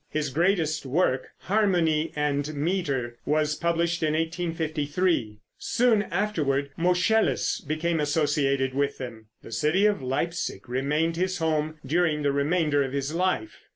His greatest work, "Harmony and Meter," was published in 1853. Soon afterward Moscheles became associated with them. The city of Leipsic remained his home during the remainder of his life.